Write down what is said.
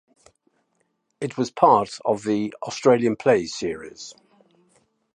It was part of the "Australian Plays" series.